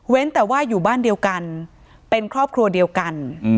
แต่ว่าอยู่บ้านเดียวกันเป็นครอบครัวเดียวกัน